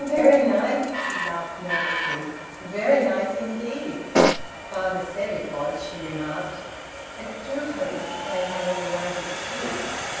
"Very nice!" he laughed nervously. "Very nice indeed!" "Father said it was," she remarked. "I do hope Mr Clayhanger will like it too!"